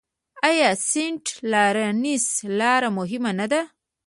آیا سینټ لارنس لاره مهمه نه ده؟